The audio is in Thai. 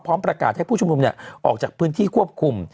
ประกาศให้ผู้ชุมนุมออกจากพื้นที่ควบคุม